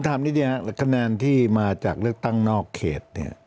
ผมถามนิดหน่อยครับคะแนนที่มาจากเลือกตั้งนอกเขต